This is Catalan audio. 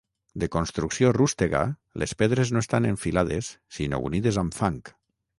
De construcció rústega, les pedres no estan en filades sinó unides amb fang.